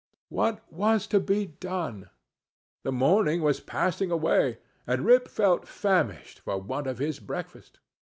What was to be done? the morning was passing away, and Rip felt famished for want of his breakfast.